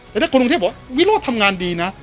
แต่ถ้าคนกรุงเทพบอกว่าวิโรธทำงานดีนะ